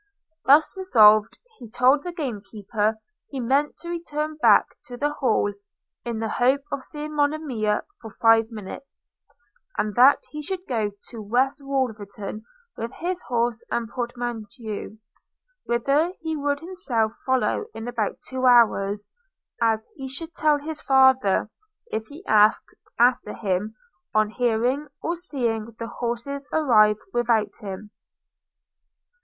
– Thus resolved, he told the game keeper he meant to return back to the Hall, in the hope of seeing Monimia for five minutes; and that he should go to West Wolverton with his horse and portmanteau, whither he would himself follow in about two hours, as he should tell his father, if he asked after him, on hearing or seeing the horses arrive without him.